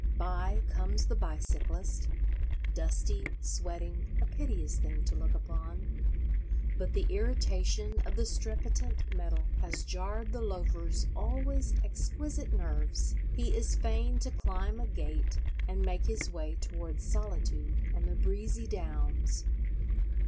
By comes the bicyclist: dusty, sweating, a piteous thing to look upon. But the irritation of the strepitant metal has jarred the Loafer's always exquisite nerves: he is fain to climb a gate and make his way towards solitude and the breezy downs.